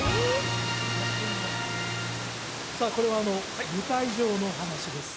さあこれは舞台上の話です